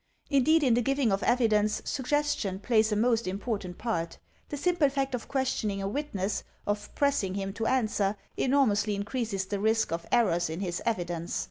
Indeed in the giving of evidence suggestion plays a most important part. The simple fact of questioning a witness, of pressing him to answer, enormously increases the risk of errors in his evi dence.